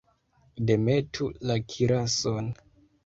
Demetu la kirason!